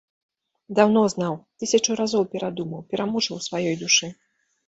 Даўно знаў, тысячу разоў перадумаў, перамучыў у сваёй душы.